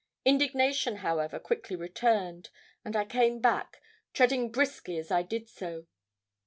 Indignation, however, quickly returned, and I came back, treading briskly as I did so.